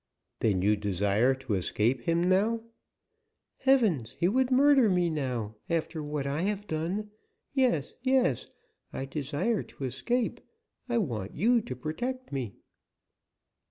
"Then you desire to escape him now?" "Heavens! he would murder me now, after what I have done. Yes, yes, I desire to escape; I want you to protect me."